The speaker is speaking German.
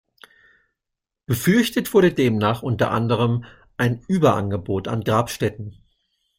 Befürchtet wurde demnach unter anderem ein Überangebot an Grabstätten.